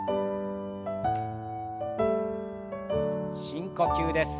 深呼吸です。